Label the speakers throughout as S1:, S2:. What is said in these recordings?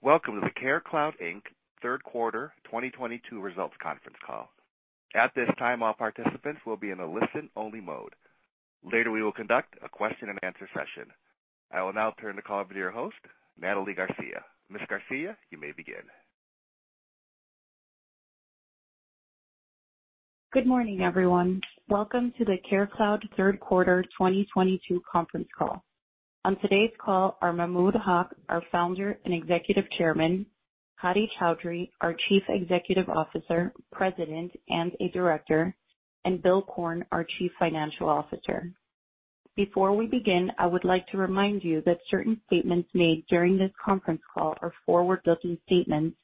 S1: Welcome to the CareCloud, Inc. third quarter 2022 results conference call. At this time, all participants will be in a listen-only mode. Later, we will conduct a question-and-answer session. I will now turn the call over to your host, Nathalie Garcia. Ms. Garcia, you may begin.
S2: Good morning, everyone. Welcome to the CareCloud third quarter 2022 conference call. On today's call are Mahmud Haq, our Founder and Executive Chairman, Hadi Chaudhry, our Chief Executive Officer, President, and a Director, and Bill Korn, our Chief Financial Officer. Before we begin, I would like to remind you that certain statements made during this conference call are forward-looking statements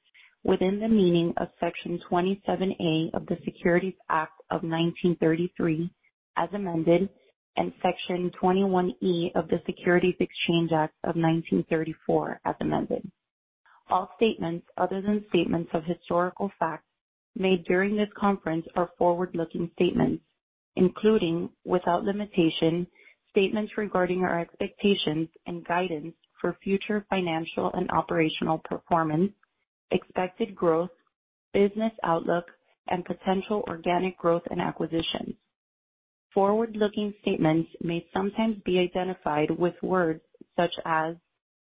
S2: within the meaning of Section 27A of the Securities Act of 1933, as amended, and Section 21E of the Securities Exchange Act of 1934, as amended. All statements other than statements of historical facts made during this conference are forward-looking statements, including without limitation, statements regarding our expectations and guidance for future financial and operational performance, expected growth, business outlook, and potential organic growth and acquisitions. Forward-looking statements may sometimes be identified with words such as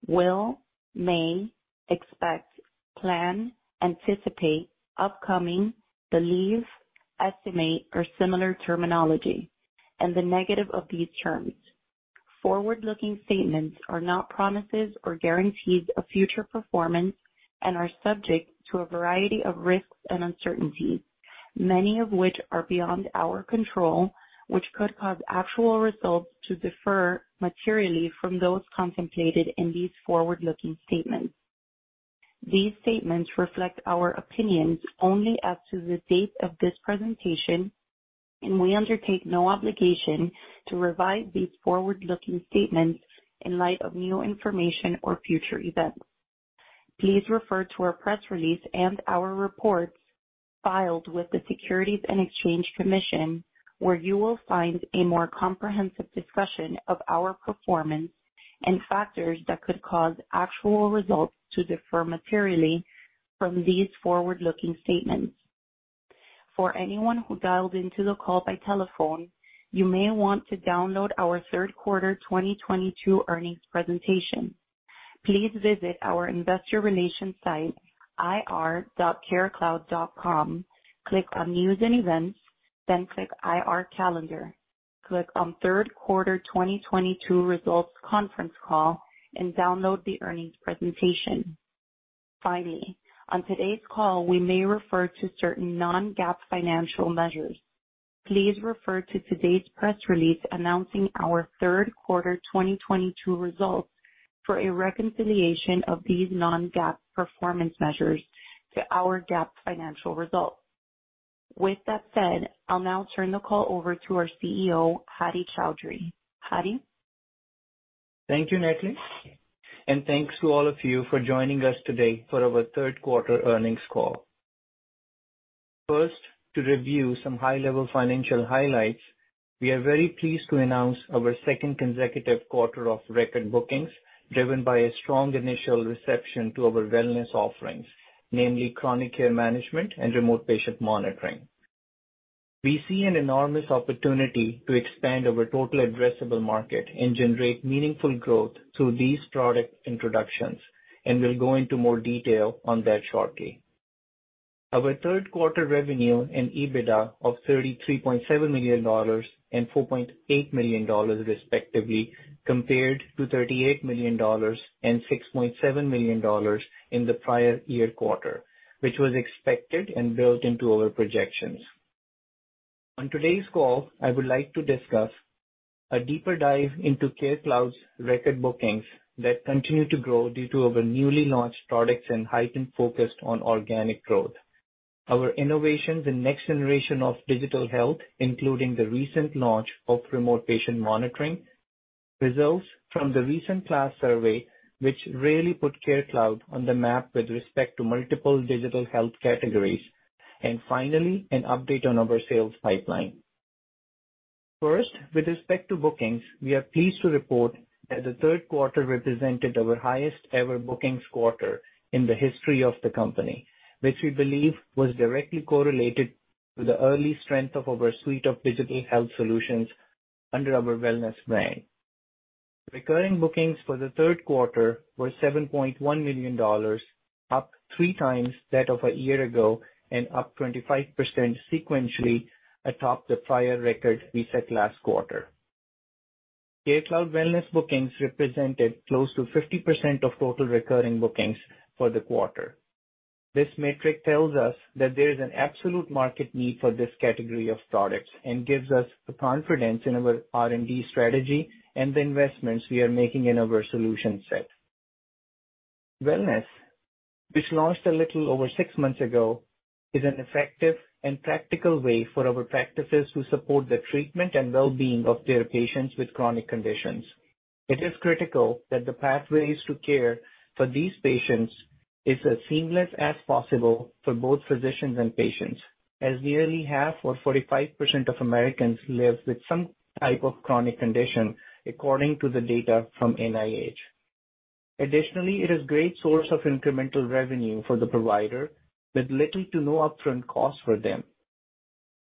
S2: will, may, expect, plan, anticipate, upcoming, believe, estimate, or similar terminology, and the negative of these terms. Forward-looking statements are not promises or guarantees of future performance and are subject to a variety of risks and uncertainties, many of which are beyond our control, which could cause actual results to differ materially from those contemplated in these forward-looking statements. These statements reflect our opinions only as to the date of this presentation, and we undertake no obligation to revise these forward-looking statements in light of new information or future events. Please refer to our press release and our reports filed with the Securities and Exchange Commission, where you will find a more comprehensive discussion of our performance and factors that could cause actual results to differ materially from these forward-looking statements. For anyone who dialed into the call by telephone, you may want to download our third quarter 2022 earnings presentation. Please visit our investor relations site, ir.carecloud.com, click on News and Events, then click IR Calendar. Click on third quarter 2022 results conference call and download the earnings presentation. Finally, on today's call, we may refer to certain Non-GAAP financial measures. Please refer to today's press release announcing our third quarter 2022 results for a reconciliation of these Non-GAAP performance measures to our GAAP financial results. With that said, I'll now turn the call over to our CEO, Hadi Chaudhry. Hadi.
S3: Thank you, Nathalie, and thanks to all of you for joining us today for our third quarter earnings call. First, to review some high-level financial highlights, we are very pleased to announce our second consecutive quarter of record bookings, driven by a strong initial reception to our wellness offerings, namely chronic care management and remote patient monitoring. We see an enormous opportunity to expand our total addressable market and generate meaningful growth through these product introductions, and we'll go into more detail on that shortly. Our third quarter revenue and EBITDA of $33.7 million and $4.8 million, respectively, compared to $38 million and $6.7 million in the prior year quarter, which was expected and built into our projections. On today's call, I would like to discuss a deeper dive into CareCloud's record bookings that continue to grow due to our newly launched products and heightened focus on organic growth. Our innovations in next generation of digital health, including the recent launch of remote patient monitoring, results from the recent KLAS survey, which really put CareCloud on the map with respect to multiple digital health categories, and finally, an update on our sales pipeline. First, with respect to bookings, we are pleased to report that the third quarter represented our highest-ever bookings quarter in the history of the company, which we believe was directly correlated to the early strength of our suite of digital health solutions under our wellness brand. Recurring bookings for the third quarter were $7.1 million, up three times that of a year ago and up 25% sequentially atop the prior record we set last quarter. CareCloud Wellness bookings represented close to 50% of total recurring bookings for the quarter. This metric tells us that there is an absolute market need for this category of products and gives us the confidence in our R&D strategy and the investments we are making in our solution set. Wellness, which launched a little over six months ago, is an effective and practical way for our practices to support the treatment and well-being of their patients with chronic conditions. It is critical that the pathways to care for these patients is as seamless as possible for both physicians and patients, as nearly half or 45% of Americans live with some type of chronic condition, according to the data from NIH. Additionally, it is great source of incremental revenue for the provider with little to no upfront cost for them.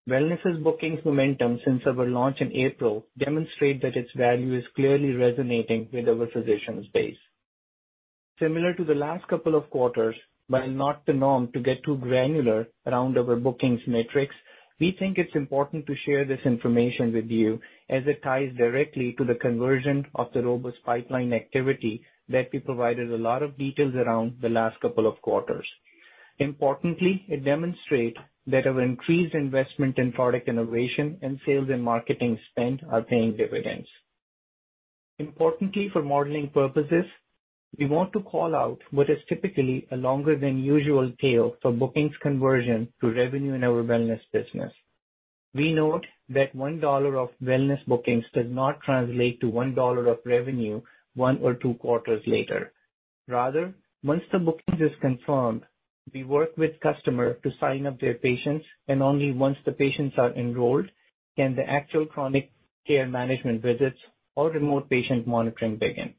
S3: Wellness's bookings momentum since our launch in April demonstrate that its value is clearly resonating with our physicians base. Similar to the last couple of quarters, while not the norm to get too granular around our bookings metrics, we think it's important to share this information with you as it ties directly to the conversion of the robust pipeline activity that we provided a lot of details around the last couple of quarters. Importantly, it demonstrates that our increased investment in product innovation and sales and marketing spend are paying dividends. Importantly, for modeling purposes, we want to call out what is typically a longer than usual tail for bookings conversion to revenue in our wellness business. We note that $1 of wellness bookings does not translate to $1 of revenue one or two quarters later. Rather, once the bookings are confirmed, we work with customers to sign up their patients, and only once the patients are enrolled can the actual chronic care management visits or remote patient monitoring begin.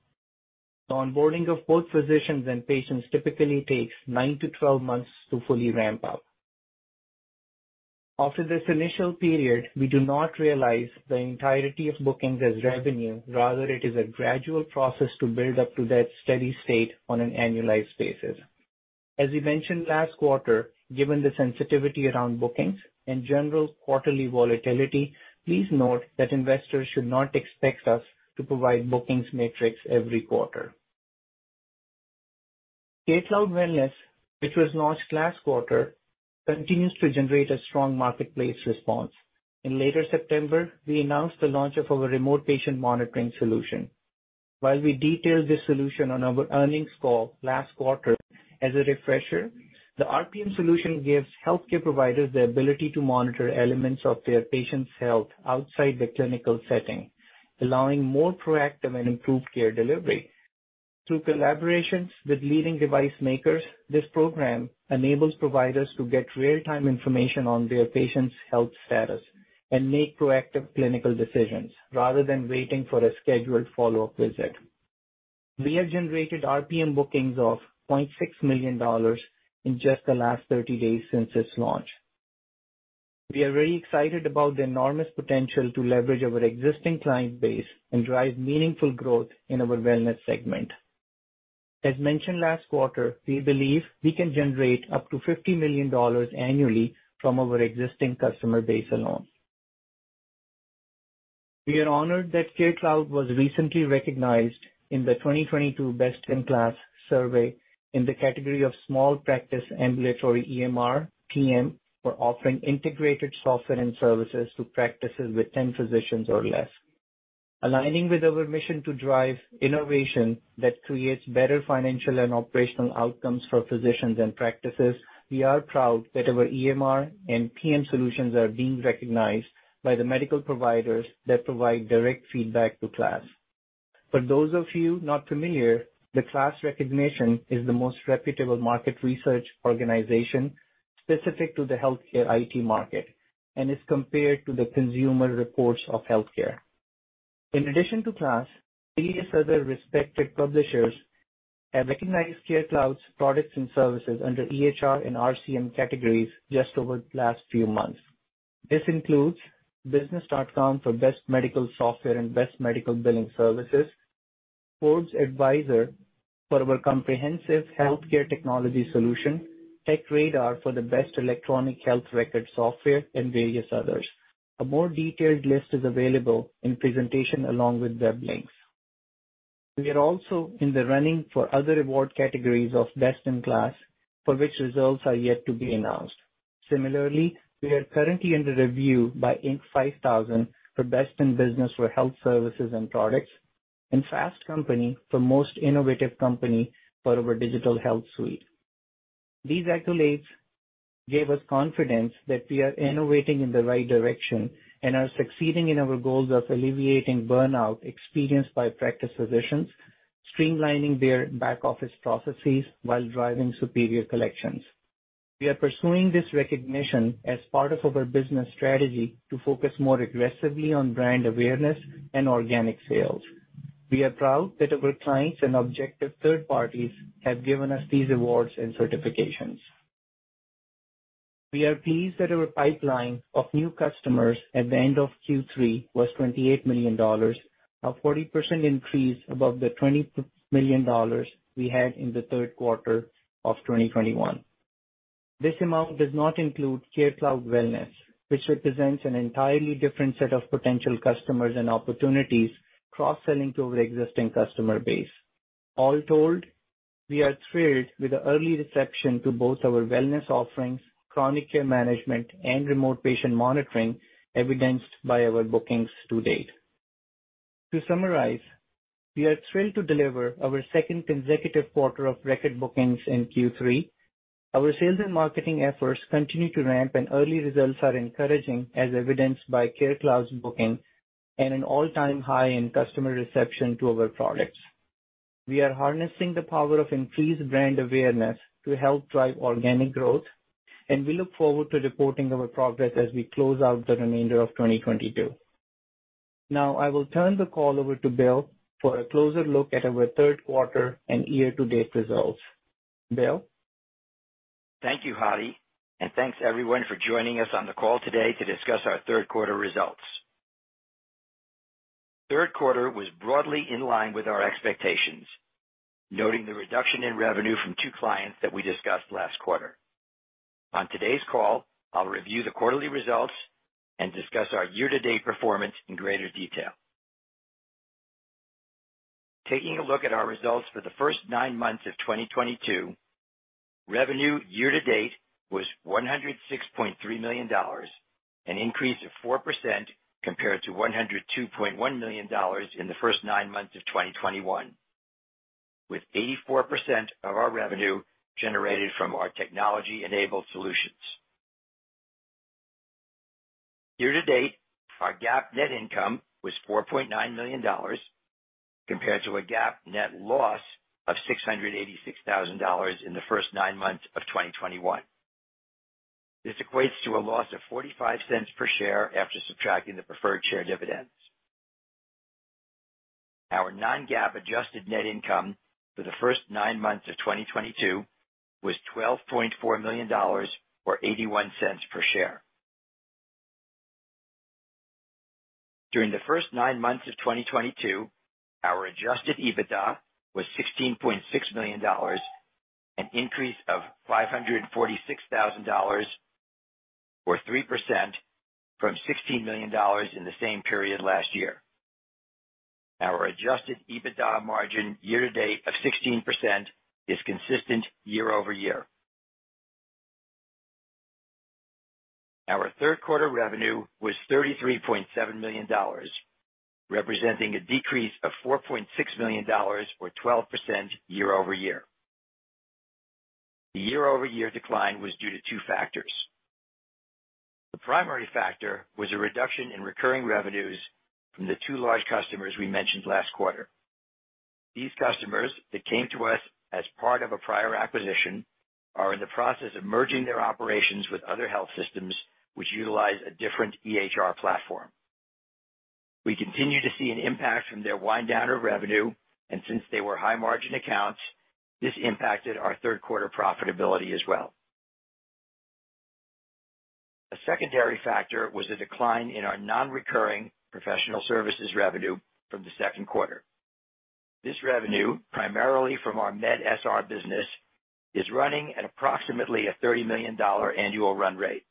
S3: The onboarding of both physicians and patients typically takes 9-12 months to fully ramp up. After this initial period, we do not realize the entirety of bookings as revenue. Rather, it is a gradual process to build up to that steady state on an annualized basis. As we mentioned last quarter, given the sensitivity around bookings and general quarterly volatility, please note that investors should not expect us to provide bookings metrics every quarter. CareCloud Wellness, which was launched last quarter, continues to generate a strong marketplace response. In late September, we announced the launch of our remote patient monitoring solution. While we detailed this solution on our earnings call last quarter, as a refresher, the RPM solution gives healthcare providers the ability to monitor elements of their patient's health outside the clinical setting, allowing more proactive and improved care delivery. Through collaborations with leading device makers, this program enables providers to get real-time information on their patients' health status and make proactive clinical decisions rather than waiting for a scheduled follow-up visit. We have generated RPM bookings of $0.6 million in just the last 30 days since its launch. We are very excited about the enormous potential to leverage our existing client base and drive meaningful growth in our wellness segment. As mentioned last quarter, we believe we can generate up to $50 million annually from our existing customer base alone. We are honored that CareCloud was recently recognized in the 2022 Best in KLAS survey in the category of small practice ambulatory EMR/PM for offering integrated software and services to practices with 10 physicians or less. Aligning with our mission to drive innovation that creates better financial and operational outcomes for physicians and practices, we are proud that our EMR and PM solutions are being recognized by the medical providers that provide direct feedback to KLAS. For those of you not familiar, the KLAS recognition is the most reputable market research organization specific to the healthcare IT market and is compared to the Consumer Reports of healthcare. In addition to KLAS, various other respected publishers have recognized CareCloud's products and services under EHR and RCM categories just over the last few months. This includes Business.com for Best Medical Software and Best Medical Billing Services, Forbes Advisor for our comprehensive healthcare technology solution, TechRadar for the Best Electronic Health Record Software, and various others. A more detailed list is available in presentation along with web links. We are also in the running for other award categories of Best in KLAS, for which results are yet to be announced. Similarly, we are currently under review by Inc. Inc. 5000 for Best in Business for Health Services and Products, and Fast Company for Most Innovative Company for our Digital Health Suite. These accolades give us confidence that we are innovating in the right direction and are succeeding in our goals of alleviating burnout experienced by practice physicians, streamlining their back-office processes while driving superior collections. We are pursuing this recognition as part of our business strategy to focus more aggressively on brand awareness and organic sales. We are proud that our clients and objective third parties have given us these awards and certifications. We are pleased that our pipeline of new customers at the end of Q3 was $28 million, a 40% increase above the $20 million we had in the third quarter of 2021. This amount does not include CareCloud Wellness, which represents an entirely different set of potential customers and opportunities cross-selling to our existing customer base. All told, we are thrilled with the early reception to both our wellness offerings, chronic care management, and remote patient monitoring evidenced by our bookings to date. To summarize, we are thrilled to deliver our second consecutive quarter of record bookings in Q3. Our sales and marketing efforts continue to ramp, and early results are encouraging as evidenced by CareCloud's booking and an all-time high in customer reception to our products. We are harnessing the power of increased brand awareness to help drive organic growth, and we look forward to reporting our progress as we close out the remainder of 2022. Now I will turn the call over to Bill for a closer look at our third quarter and year-to-date results. Bill?
S4: Thank you, Hadi, and thanks everyone for joining us on the call today to discuss our third quarter results. Third quarter was broadly in line with our expectations, noting the reduction in revenue from two clients that we discussed last quarter. On today's call, I'll review the quarterly results and discuss our year-to-date performance in greater detail. Taking a look at our results for the first nine months of 2022, revenue year to date was $106.3 million, an increase of 4% compared to $102.1 million in the first nine months of 2021, with 84% of our revenue generated from our technology-enabled solutions. Year to date, our GAAP net income was $4.9 million compared to a GAAP net loss of $686,000 in the first nine months of 2021. This equates to a loss of $0.45 per share after subtracting the preferred share dividends. Our Non-GAAP adjusted net income for the first nine months of 2022 was $12.4 million, or $0.81 per share. During the first nine months of 2022, our Adjusted EBITDA was $16.6 million, an increase of $546,000, or 3%, from $16 million in the same period last year. Our Adjusted EBITDA margin year-to-date of 16% is consistent year-over-year. Our third quarter revenue was $33.7 million, representing a decrease of $4.6 million or 12% year-over-year. The year-over-year decline was due to two factors. The primary factor was a reduction in recurring revenues from the two large customers we mentioned last quarter. These customers that came to us as part of a prior acquisition are in the process of merging their operations with other health systems which utilize a different EHR platform. We continue to see an impact from their wind down of revenue, and since they were high margin accounts, this impacted our third quarter profitability as well. A secondary factor was a decline in our non-recurring professional services revenue from the second quarter. This revenue, primarily from our medSR business, is running at approximately a $30 million annual run rate.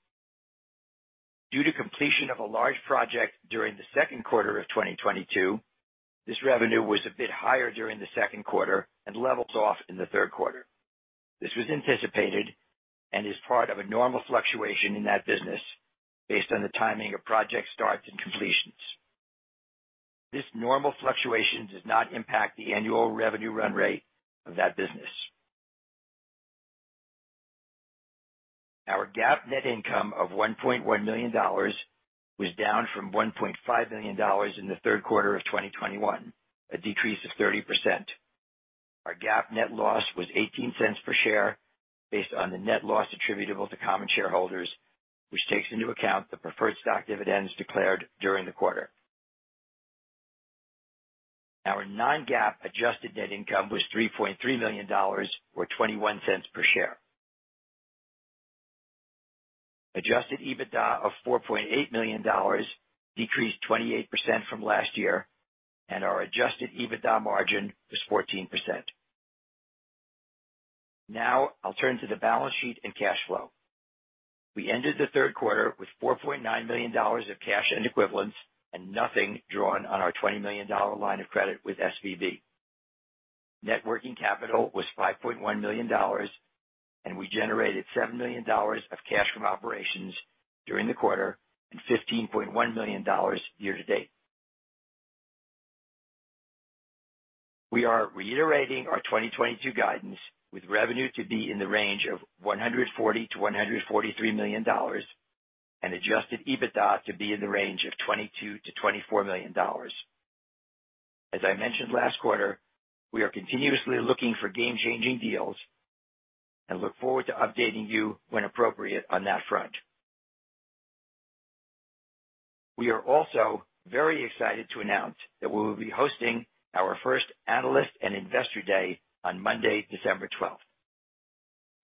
S4: Due to completion of a large project during the second quarter of 2022, this revenue was a bit higher during the second quarter and leveled off in the third quarter. This was anticipated and is part of a normal fluctuation in that business based on the timing of project starts and completions. This normal fluctuation does not impact the annual revenue run rate of that business. Our GAAP net income of $1.1 million was down from $1.5 million in the third quarter of 2021, a decrease of 30%. Our GAAP net loss was $0.18 per share based on the net loss attributable to common shareholders, which takes into account the preferred stock dividends declared during the quarter. Our Non-GAAP adjusted net income was $3.3 million or $0.21 per share. Adjusted EBITDA of $4.8 million decreased 28% from last year, and our Adjusted EBITDA margin was 14%. Now I'll turn to the balance sheet and cash flow. We ended the third quarter with $4.9 million of cash and equivalents, and nothing drawn on our $20 million line of credit with SVB. Net working capital was $5.1 million, and we generated $7 million of cash from operations during the quarter and $15.1 million year to date. We are reiterating our 2022 guidance with revenue to be in the range of $140 million-$143 million and Adjusted EBITDA to be in the range of $22 million-$24 million. As I mentioned last quarter, we are continuously looking for game-changing deals and look forward to updating you when appropriate on that front. We are also very excited to announce that we will be hosting our first Analyst and Investor Day on Monday, December 12.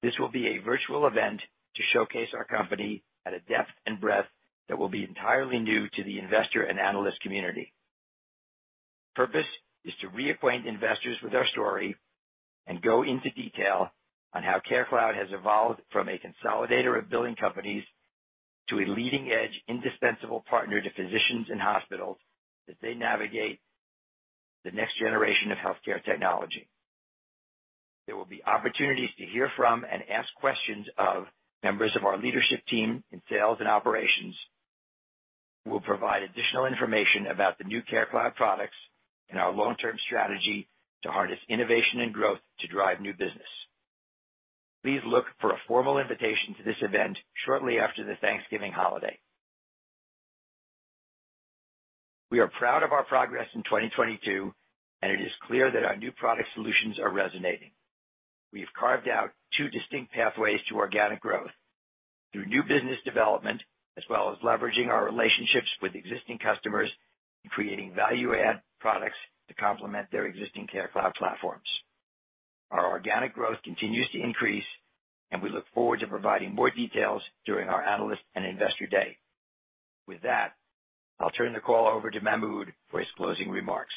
S4: This will be a virtual event to showcase our company at a depth and breadth that will be entirely new to the investor and analyst community. Purpose is to reacquaint investors with our story and go into detail on how CareCloud has evolved from a consolidator of billing companies to a leading-edge, indispensable partner to physicians and hospitals as they navigate the next generation of healthcare technology. There will be opportunities to hear from and ask questions of members of our leadership team in sales and operations. We'll provide additional information about the new CareCloud products and our long-term strategy to harness innovation and growth to drive new business. Please look for a formal invitation to this event shortly after the Thanksgiving holiday. We are proud of our progress in 2022, and it is clear that our new product solutions are resonating. We have carved out two distinct pathways to organic growth through new business development, as well as leveraging our relationships with existing customers and creating value-add products to complement their existing CareCloud platforms. Our organic growth continues to increase, and we look forward to providing more details during our Analyst and Investor Day. With that, I'll turn the call over to Mahmud for his closing remarks.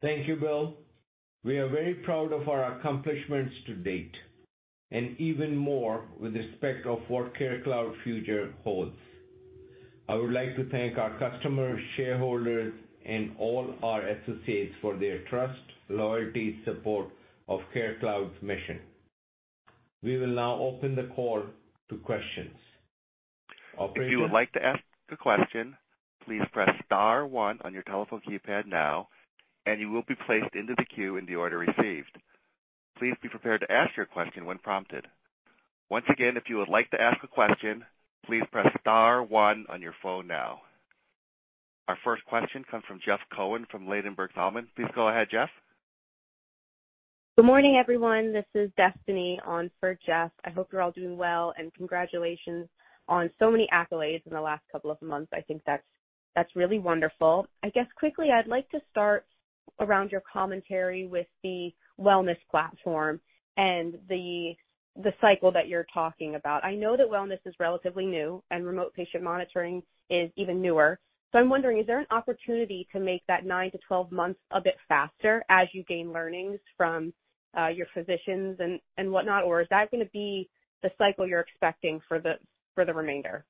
S5: Thank you, Bill. We are very proud of our accomplishments to date and even more with respect to what CareCloud future holds. I would like to thank our customers, shareholders, and all our associates for their trust, loyalty, support of CareCloud's mission. We will now open the call to questions. Operator?
S1: If you would like to ask a question, please press star one on your telephone keypad now and you will be placed into the queue in the order received. Please be prepared to ask your question when prompted. Once again, if you would like to ask a question, please press star one on your phone now. Our first question comes from Jeff Cohen from Ladenburg Thalmann. Please go ahead, Jeff.
S6: Good morning, everyone. This is Destiny on for Jeff. I hope you're all doing well, and congratulations on so many accolades in the last couple of months. I think that's really wonderful. I guess quickly, I'd like to start around your commentary with the wellness platform and the cycle that you're talking about. I know that wellness is relatively new and remote patient monitoring is even newer. I'm wondering, is there an opportunity to make that 9-12 months a bit faster as you gain learnings from your physicians and whatnot? Or is that gonna be the cycle you're expecting for the remainder?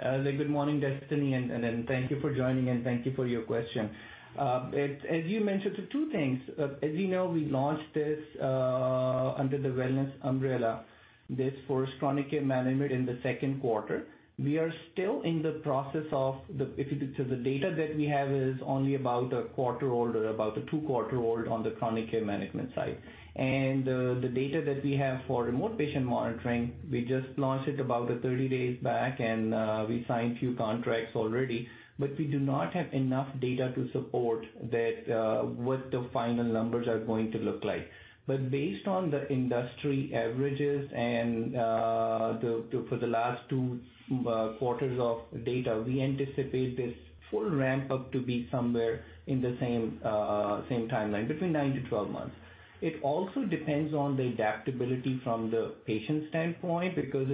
S3: Good morning, Destiny, and thank you for joining and thank you for your question. As you mentioned, two things. As you know, we launched this under the wellness umbrella, this first chronic care management in the second quarter. We are still in the process. The data that we have is only about a quarter old or about a two quarter old on the chronic care management side. The data that we have for remote patient monitoring, we just launched it about 30 days back and we signed few contracts already. But we do not have enough data to support that what the final numbers are going to look like. Based on the industry averages and for the last two quarters of data, we anticipate this full ramp-up to be somewhere in the same timeline, between 9-12 months. It also depends on the adaptability from the patient standpoint, because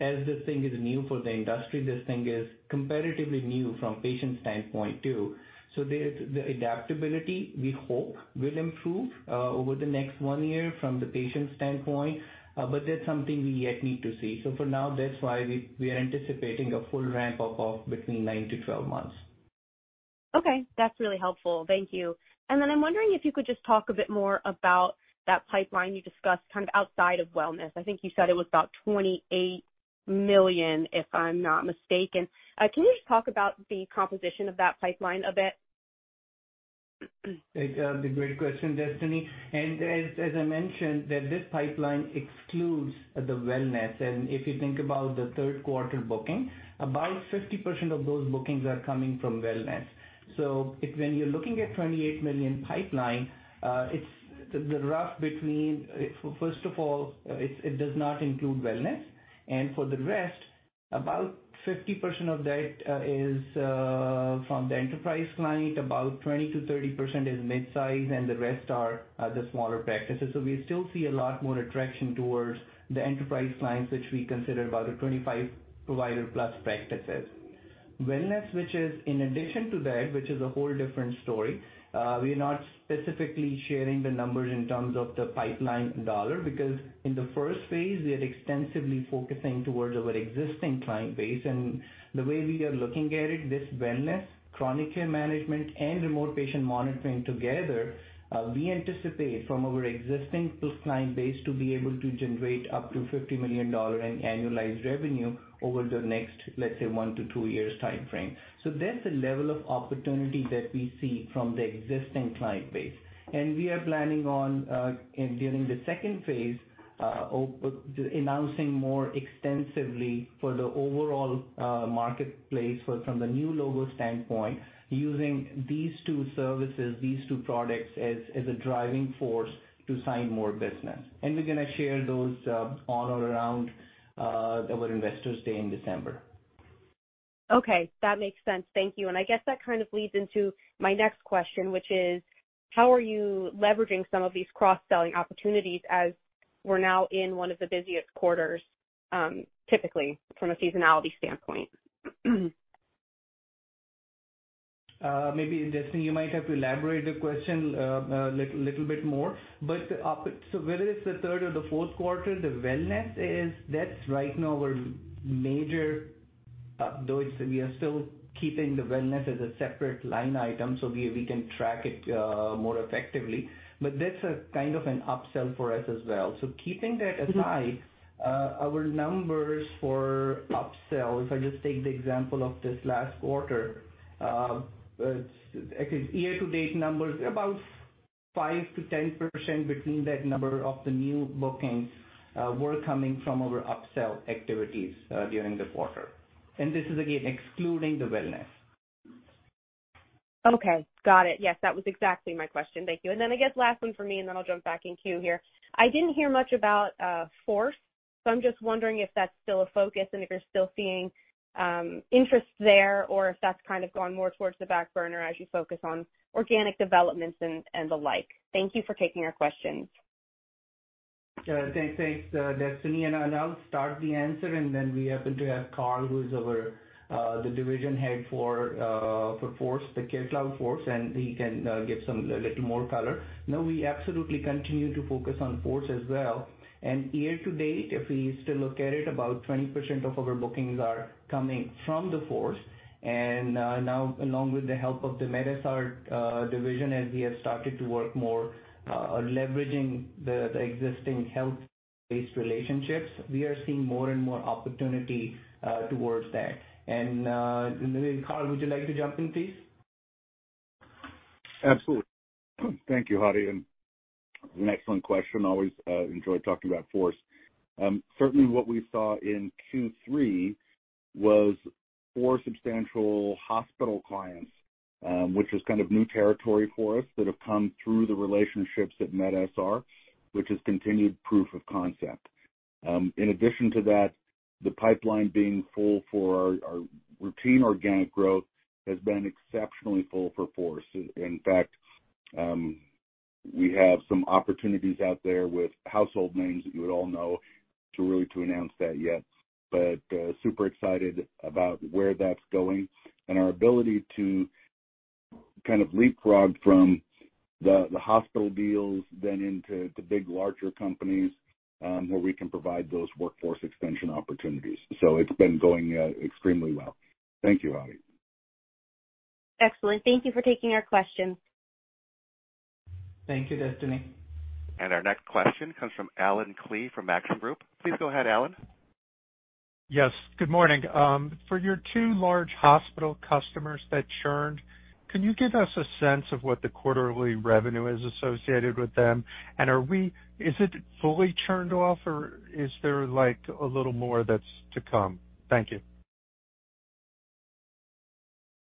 S3: as this thing is new for the industry, this thing is comparatively new from patient standpoint too. The adaptability, we hope, will improve over the next 1 year from the patient standpoint. That's something we yet need to see. For now, that's why we are anticipating a full ramp-up of between 9-12 months.
S6: Okay. That's really helpful. Thank you. I'm wondering if you could just talk a bit more about that pipeline you discussed kind of outside of wellness. I think you said it was about $28 million, if I'm not mistaken. Can you just talk about the composition of that pipeline a bit?
S3: It's a great question, Destiny. As I mentioned, this pipeline excludes the wellness. If you think about the third quarter booking, about 50% of those bookings are coming from wellness. When you're looking at $28 million pipeline, it's a rough breakdown. First of all, it does not include wellness. For the rest, about 50% of that is from the enterprise client, about 20%-30% is mid-size, and the rest are the smaller practices. We still see a lot more attraction towards the enterprise clients, which we consider about a 25 provider-plus practices. Wellness, which is in addition to that, which is a whole different story. We're not specifically sharing the numbers in terms of the pipeline dollar because in the first phase, we are extensively focusing towards our existing client base. The way we are looking at it, this wellness, chronic care management, and remote patient monitoring together, we anticipate from our existing client base to be able to generate up to $50 million in annualized revenue over the next, let's say, one to two years timeframe. That's the level of opportunity that we see from the existing client base. We are planning on, during the second phase, announcing more extensively for the overall marketplace from the new logo standpoint, using these two services, these two products as a driving force to sign more business. We're gonna share those on or around our Investors Day in December.
S6: Okay, that makes sense. Thank you. I guess that kind of leads into my next question, which is, how are you leveraging some of these cross-selling opportunities as we're now in one of the busiest quarters, typically from a seasonality standpoint?
S3: Maybe, Destiny, you might have to elaborate the question little bit more. Whether it's the third or the fourth quarter, the Wellness is. That's right now our major, though it's we are still keeping the Wellness as a separate line item, so we can track it more effectively. That's a kind of an upsell for us as well. Keeping that aside.
S6: Mm-hmm.
S3: Our numbers for upsell, if I just take the example of this last quarter, actually, year-to-date numbers, about 5%-10% between that number of the new bookings were coming from our upsell activities during the quarter. This is, again, excluding the wellness.
S6: Okay. Got it. Yes, that was exactly my question. Thank you. I guess last one for me, and then I'll jump back in queue here. I didn't hear much about Force, so I'm just wondering if that's still a focus and if you're still seeing interest there or if that's kind of gone more towards the back burner as you focus on organic developments and the like. Thank you for taking our questions.
S3: Thanks, Destiny. I'll start the answer, and then we happen to have Karl, who is our, the division head for Force, the CareCloud Force, and he can give some, a little more color. No, we absolutely continue to focus on Force as well. Year to date, if we still look at it, about 20% of our bookings are coming from the Force. Now along with the help of the medSR division, as we have started to work more on leveraging the existing health-based relationships, we are seeing more and more opportunity towards that. Then, Karl, would you like to jump in, please?
S7: Absolutely. Thank you, Hadi, and an excellent question. Always, enjoy talking about Force. Certainly what we saw in Q3 was 4 substantial hospital clients, which is kind of new territory for us that have come through the relationships at medSR, which is continued proof of concept. In addition to that, the pipeline being full for our routine organic growth has been exceptionally full for Force. In fact, we have some opportunities out there with household names that you would all know to really announce that yet. Super excited about where that's going and our ability to kind of leapfrog from the hospital deals then into the big larger companies, where we can provide those workforce expansion opportunities. It's been going extremely well. Thank you, Hadi.
S6: Excellent. Thank you for taking our question.
S3: Thank you, Destiny.
S1: Our next question comes from Allen Klee from Maxim Group. Please go ahead, Allen.
S8: Yes, good morning. For your two large hospital customers that churned, can you give us a sense of what the quarterly revenue is associated with them? Is it fully churned off or is there like a little more that's to come? Thank you.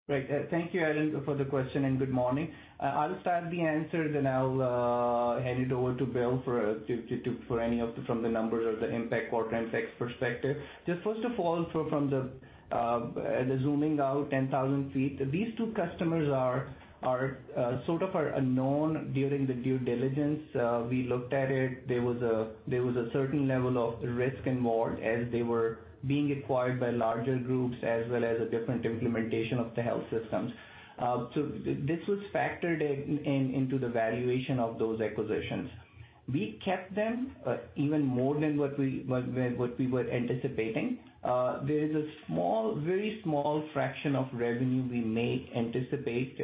S3: Right. Thank you, Allen, for the question and good morning. I'll start the answer then I'll hand it over to Bill for any input from the numbers or the impact, quarterly impacts perspective. Just first of all, from the zooming out ten thousand feet, these two customers are sort of unknown during the due diligence. We looked at it. There was a certain level of risk involved as they were being acquired by larger groups as well as a different implementation of the health systems. This was factored in into the valuation of those acquisitions. We kept them even more than what we were anticipating. There is a small, very small fraction of revenue we may anticipate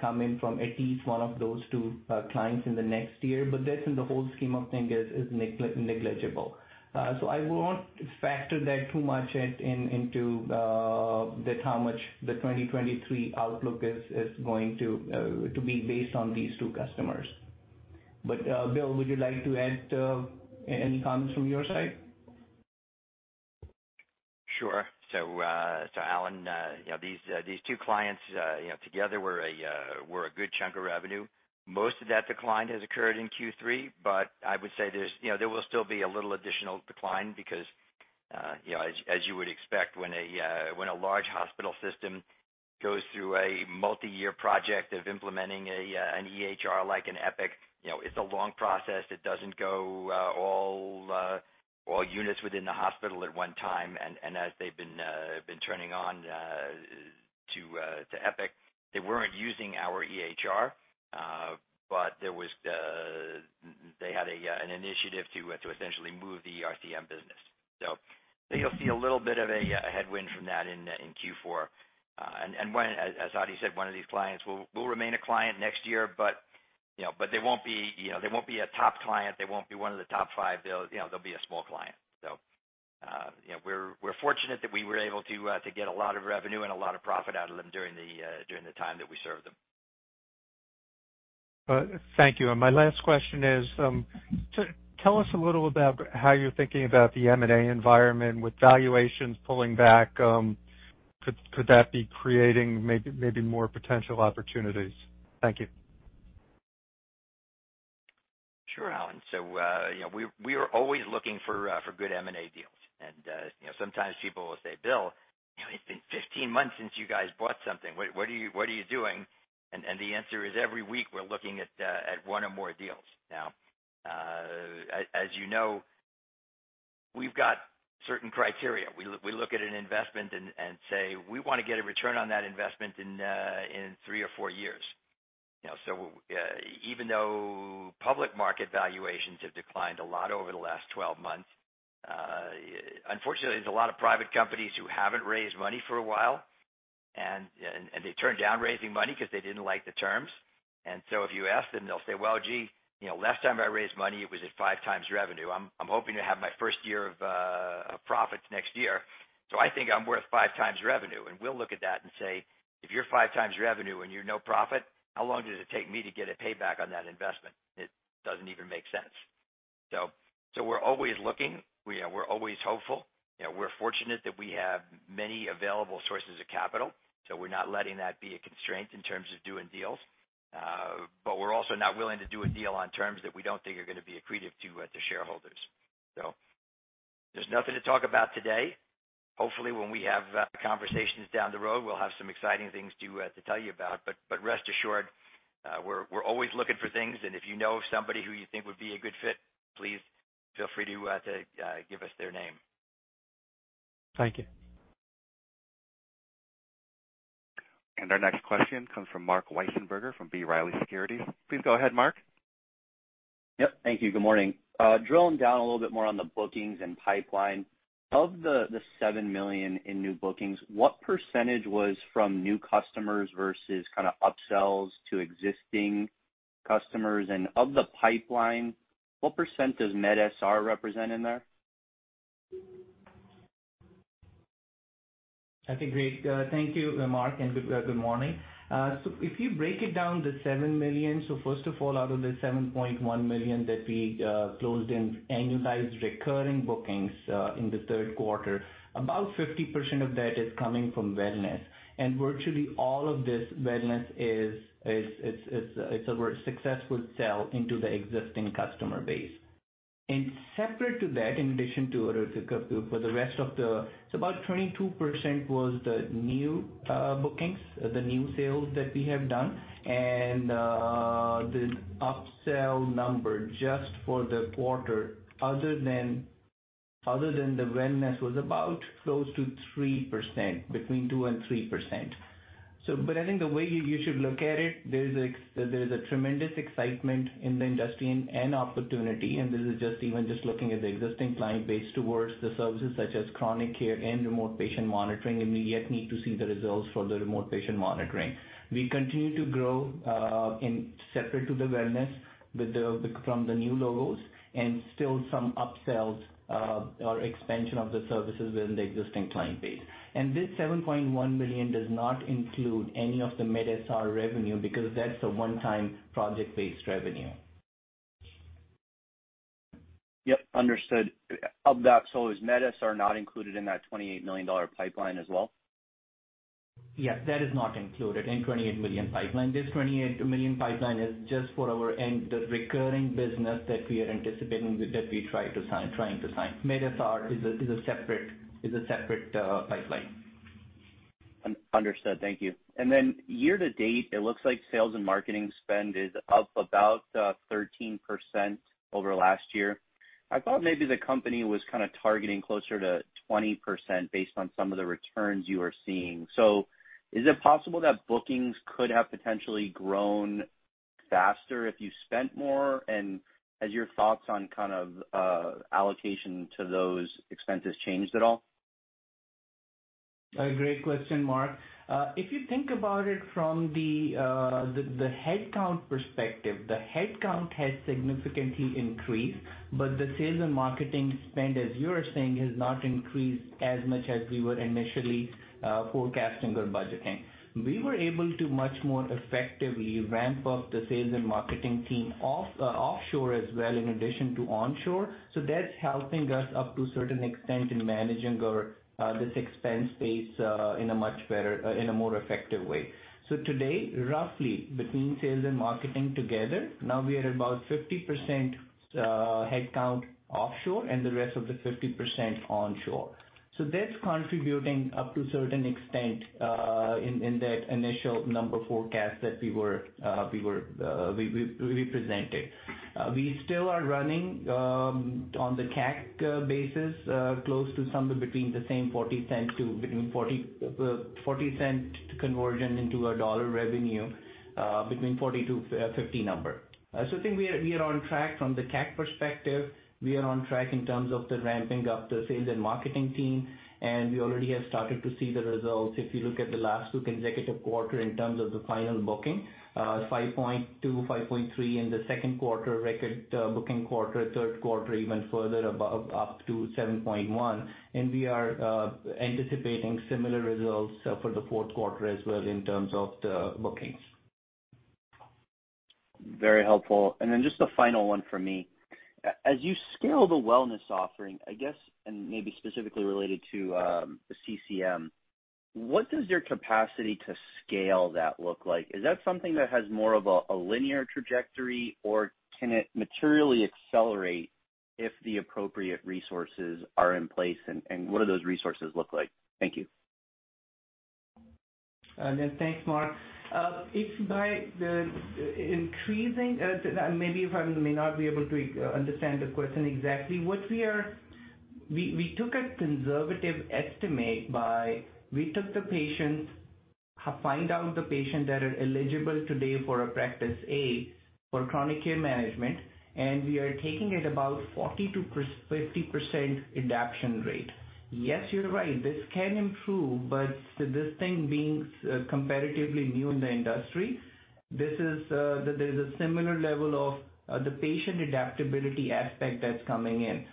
S3: coming from at least one of those two clients in the next year, but that's in the whole scheme of things is negligible. So I won't factor that too much into that how much the 2023 outlook is going to be based on these two customers. Bill, would you like to add any comments from your side?
S4: Sure. Allen, you know, these two clients, you know, together were a good chunk of revenue. Most of that decline has occurred in Q3, but I would say there's, you know, there will still be a little additional decline because, you know, as you would expect when a large hospital system goes through a multi-year project of implementing an EHR like an Epic, you know, it's a long process. It doesn't go all units within the hospital at one time. As they've been turning on to Epic, they weren't using our EHR. But there was the—they had an initiative to essentially move the RCM business. I think you'll see a little bit of a headwind from that in Q4. One, as Hadi said, one of these clients will remain a client next year. You know, they won't be a top client. They won't be one of the top five. They'll, you know, be a small client. You know, we're fortunate that we were able to get a lot of revenue and a lot of profit out of them during the time that we served them.
S8: Thank you. My last question is, tell us a little about how you're thinking about the M&A environment with valuations pulling back. Could that be creating maybe more potential opportunities? Thank you.
S4: Sure, Allen. You know, we are always looking for good M&A deals. You know, sometimes people will say, "Bill, you know, it's been 15 months since you guys bought something. What are you doing?" The answer is, every week we're looking at one or more deals. Now, as you know, we've got certain criteria. We look at an investment and say, "We wanna get a return on that investment in 3 or 4 years." Even though public market valuations have declined a lot over the last 12 months, unfortunately, there's a lot of private companies who haven't raised money for a while, and they turned down raising money because they didn't like the terms. If you ask them, they'll say, "Well, gee, you know, last time I raised money, it was at five times revenue. I'm hoping to have my first year of profits next year. So I think I'm worth five times revenue." We'll look at that and say, "If you're five times revenue and you're no profit, how long does it take me to get a payback on that investment?" It doesn't even make sense. We're always looking. We're always hopeful. You know, we're fortunate that we have many available sources of capital, so we're not letting that be a constraint in terms of doing deals. But we're also not willing to do a deal on terms that we don't think are going to be accretive to the shareholders. There's nothing to talk about today. Hopefully, when we have conversations down the road, we'll have some exciting things to tell you about. Rest assured, we're always looking for things, and if you know of somebody who you think would be a good fit, please feel free to give us their name.
S8: Thank you.
S1: Our next question comes from Marc Wiesenberger of B. Riley Securities. Please go ahead, Marc.
S9: Yep. Thank you. Good morning. Drilling down a little bit more on the bookings and pipeline. Of the $7 million in new bookings, what percentage was from new customers versus kind of upsells to existing customers? Of the pipeline, what percent does medSR represent in there?
S3: Thank you, Marc, and good morning. If you break it down, the $7 million. First of all, out of the $7.1 million that we closed in annualized recurring bookings in the third quarter, about 50% of that is coming from wellness. Virtually all of this wellness is. It's a very successful sell into the existing customer base. Separate to that. About 22% was the new bookings, the new sales that we have done. The upsell number just for the quarter, other than the wellness, was about close to 3%, between 2% and 3%. I think the way you should look at it, there's a tremendous excitement in the industry and opportunity, and this is just even just looking at the existing client base towards the services such as chronic care and remote patient monitoring, and we yet need to see the results for the remote patient monitoring. We continue to grow in separate to the wellness with the, from the new logos and still some upsells or expansion of the services within the existing client base. This $7.1 million does not include any of the medSR revenue because that's a one-time project-based revenue.
S9: Yep, understood. Of that, is medSR not included in that $28 million pipeline as well?
S3: Yes. That is not included in $28 million pipeline. This $28 million pipeline is just for our end, the recurring business that we are anticipating, that we are trying to sign. medSR is a separate pipeline.
S9: Understood. Thank you. Then year to date, it looks like sales and marketing spend is up about 13% over last year. I thought maybe the company was kind of targeting closer to 20% based on some of the returns you are seeing. Is it possible that bookings could have potentially grown faster if you spent more? Has your thoughts on kind of allocation to those expenses changed at all?
S3: A great question, Marc. If you think about it from the headcount perspective, the headcount has significantly increased, but the sales and marketing spend, as you are saying, has not increased as much as we were initially forecasting or budgeting. We were able to much more effectively ramp up the sales and marketing team offshore as well in addition to onshore. That's helping us out to a certain extent in managing our expense base in a more effective way. Today, roughly between sales and marketing together, now we are about 50% headcount offshore and the rest of the 50% onshore. That's contributing out to a certain extent in that initial number forecast that we presented. We still are running on the CAC basis, close to somewhere between the same 40 cents to between 40 cents conversion into $1 revenue, between 40-50 number. So I think we are on track from the CAC perspective. We are on track in terms of the ramping up the sales and marketing team, and we already have started to see the results. If you look at the last two consecutive quarters in terms of the final booking, $5.2, $5.3 in the second quarter, record booking quarter, third quarter, even further above up to $7.1. We are anticipating similar results for the fourth quarter as well in terms of the bookings.
S9: Very helpful. Just a final one for me. As you scale the wellness offering, I guess, and maybe specifically related to the CCM, what does your capacity to scale that look like? Is that something that has more of a linear trajectory, or can it materially accelerate if the appropriate resources are in place, and what do those resources look like? Thank you.
S3: Yeah. Thanks, Marc. I may not be able to understand the question exactly. What we are, we took a conservative estimate by we took the patients and found out the patients that are eligible today for a practice for chronic care management, and we are taking it about 40%-50% adoption rate. Yes, you're right, this can improve, but this thing being comparatively new in the industry, this is, there's a similar level of the patient adaptability aspect that's coming in.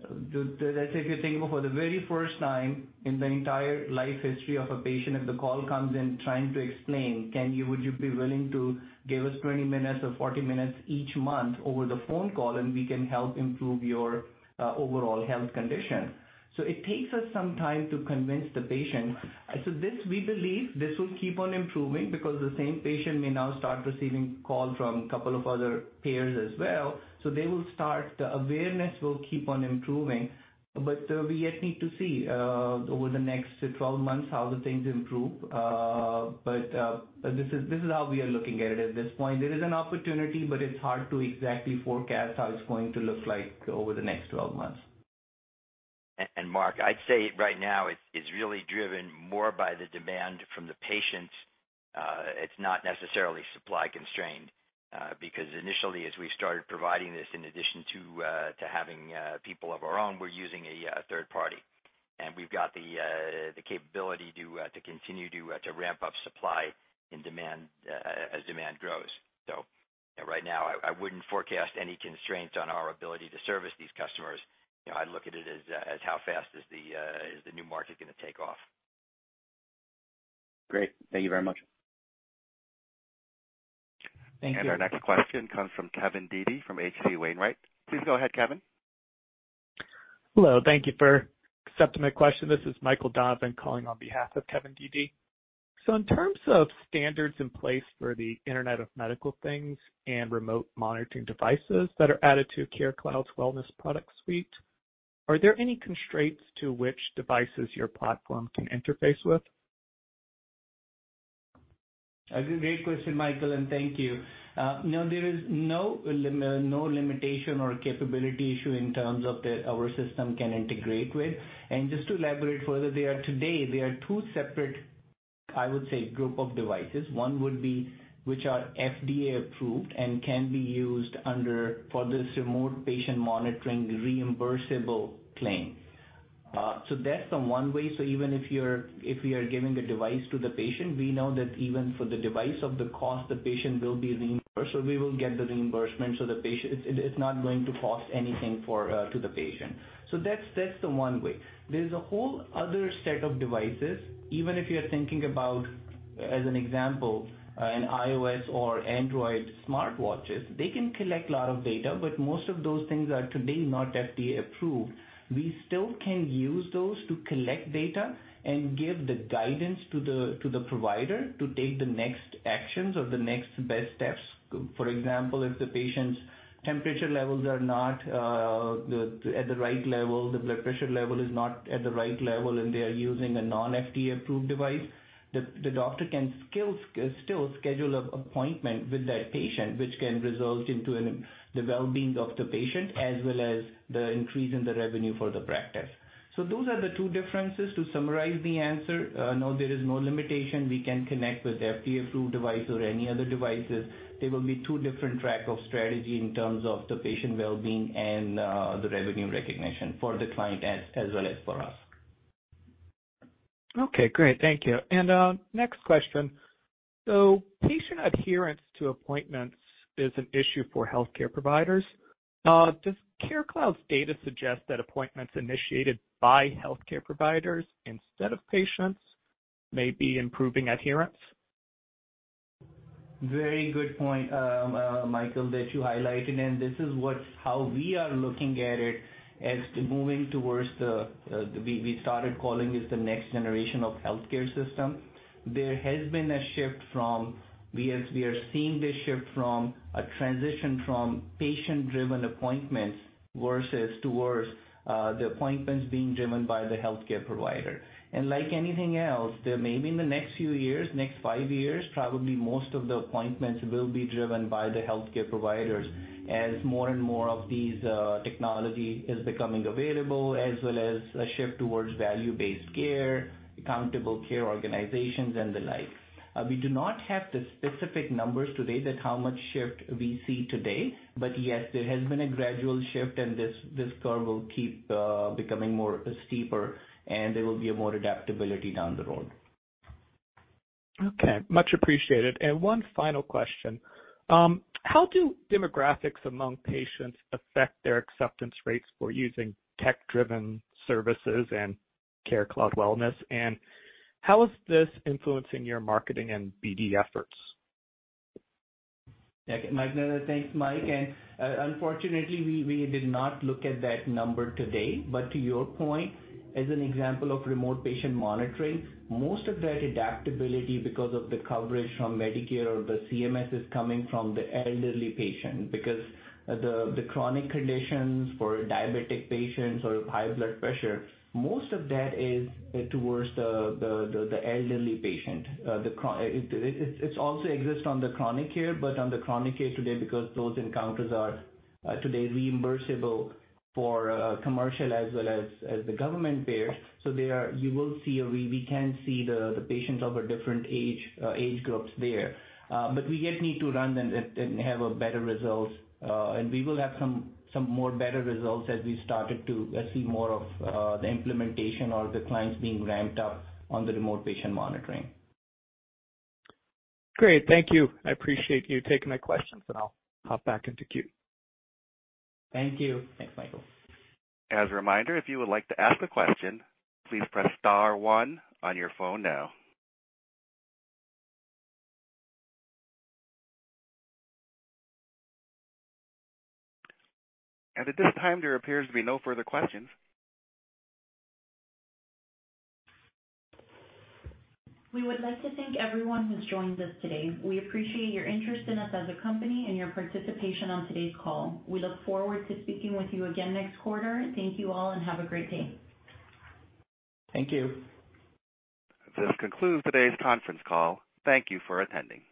S3: That's if you're thinking for the very first time in the entire life history of a patient, if the call comes in trying to explain, would you be willing to give us 20 minutes or 40 minutes each month over the phone call and we can help improve your overall health condition. It takes us some time to convince the patient. This, we believe, this will keep on improving because the same patient may now start receiving call from a couple of other payers as well. They will start, the awareness will keep on improving. We yet need to see over the next 12 months how the things improve. This is how we are looking at it at this point. There is an opportunity, but it's hard to exactly forecast how it's going to look like over the next 12 months.
S4: Marc, I'd say right now it's really driven more by the demand from the patients. It's not necessarily supply constrained because initially as we started providing this in addition to having people of our own, we're using a third party. We've got the capability to continue to ramp up supply and demand as demand grows. Right now I wouldn't forecast any constraints on our ability to service these customers. You know, I'd look at it as how fast is the new market gonna take off.
S9: Great. Thank you very much.
S3: Thank you.
S1: Our next question comes from Kevin Dede from H.C. Wainwright. Please go ahead, Kevin.
S10: Hello. Thank you for accepting my question. This is Michael Donovan calling on behalf of Kevin Dede. In terms of standards in place for the Internet of Medical Things and remote monitoring devices that are added to CareCloud's Wellness product suite, are there any constraints to which devices your platform can interface with?
S3: A great question, Michael, and thank you. No, there is no limit, no limitation or capability issue in terms of that our system can integrate with. Just to elaborate further, there are today two separate, I would say, group of devices. One would be which are FDA approved and can be used under for this remote patient monitoring reimbursable claim. That's the one way. If we are giving a device to the patient, we know that even for the cost of the device, the patient will be reimbursed or we will get the reimbursement. The patient, it's not going to cost anything to the patient. That's the one way. There's a whole other set of devices. Even if you're thinking about, as an example, an iOS or Android smartwatches, they can collect a lot of data, but most of those things are today not FDA approved. We still can use those to collect data and give the guidance to the provider to take the next actions or the next best steps. For example, if the patient's temperature levels are not at the right level, the blood pressure level is not at the right level and they are using a non-FDA approved device, the doctor can still schedule an appointment with that patient, which can result in the well-being of the patient as well as the increase in the revenue for the practice. Those are the two differences. To summarize the answer, no, there is no limitation. We can connect with FDA approved device or any other devices. There will be two different tracks of strategy in terms of the patient well-being and the revenue recognition for the client as well as for us.
S10: Okay, great. Thank you. Next question. Patient adherence to appointments is an issue for healthcare providers. Does CareCloud's data suggest that appointments initiated by healthcare providers instead of patients may be improving adherence?
S3: Very good point, Michael, that you highlighted. This is how we are looking at it as to moving towards the we started calling this the next generation of healthcare system. There has been a shift, as we are seeing, this shift from a transition from patient-driven appointments versus toward the appointments being driven by the healthcare provider. Like anything else, there may be in the next few years, next five years, probably most of the appointments will be driven by the healthcare providers as more and more of these technology is becoming available, as well as a shift toward value-based care, accountable care organizations and the like. We do not have the specific numbers today that how much shift we see today, but yes, there has been a gradual shift and this curve will keep becoming more steeper and there will be a more adaptability down the road.
S10: Okay, much appreciated. One final question. How do demographics among patients affect their acceptance rates for using tech-driven services and CareCloud Wellness? How is this influencing your marketing and BD efforts?
S3: Thanks, Mike. Unfortunately, we did not look at that number today. To your point, as an example of remote patient monitoring, most of that adaptability because of the coverage from Medicare or the CMS is coming from the elderly patient because the chronic conditions for diabetic patients or high blood pressure, most of that is towards the elderly patient. It also exists on the chronic care, but on the chronic care today, because those encounters are today reimbursable for commercial as well as the government payers. There you will see we can see the patients of a different age groups there. We yet need to run them and have a better results. We will have some more better results as we started to see more of the implementation or the clients being ramped up on the remote patient monitoring.
S10: Great. Thank you. I appreciate you taking my questions, and I'll hop back into queue.
S3: Thank you. Thanks, Michael.
S1: As a reminder, if you would like to ask a question, please press star one on your phone now. At this time, there appears to be no further questions.
S2: We would like to thank everyone who's joined us today. We appreciate your interest in us as a company and your participation on today's call. We look forward to speaking with you again next quarter. Thank you all and have a great day.
S3: Thank you.
S1: This concludes today's conference call. Thank you for attending.